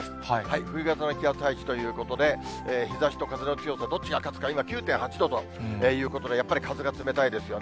冬型の気圧配置ということで、日ざしと風の強さ、どっちが勝つか、今９．８度、やっぱり風が冷たいですよね。